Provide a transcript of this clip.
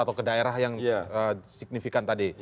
atau ke daerah yang signifikan tadi